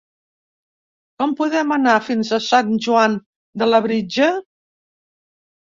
Com podem anar fins a Sant Joan de Labritja?